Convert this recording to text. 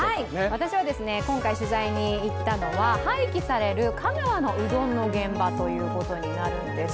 私は今回取材に行ったのは、廃棄される香川の現場ということなんです。